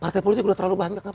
partai politik udah terlalu banyak